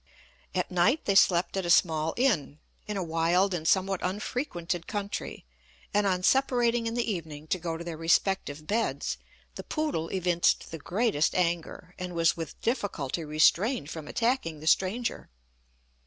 At night they slept at a small inn, in a wild and somewhat unfrequented country, and on separating in the evening to go to their respective beds, the poodle evinced the greatest anger, and was with difficulty restrained from attacking the stranger.